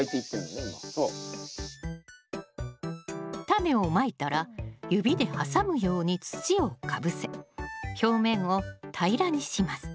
タネをまいたら指で挟むように土をかぶせ表面を平らにします。